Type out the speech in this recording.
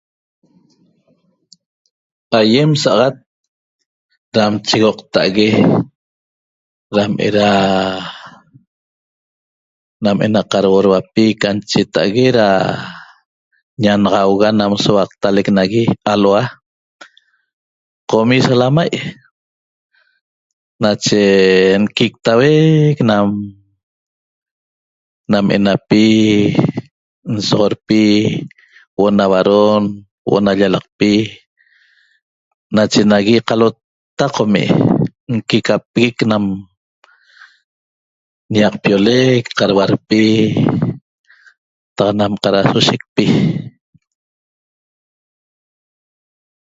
Aiem saxat ram chogoqta'ague ram era nam ena qarhuorhuapi can cheta'ague ra ñanaxahua'a ena sonaqtalec nagui alhua qomi' salamai' nache nquictauec nam nam enapi nsoxorpi huo'o na huaron huo'o na llalaqpi nache nagui qalota qomi' nquicapic nam ñaqpiolec qarhuarpi taq nam qarasoshecpi